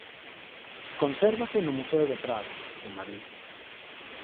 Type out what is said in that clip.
Consérvase no Museo do Prado en Madrid.